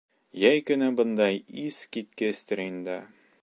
Йәй көнө бында иҫ киткестер инде.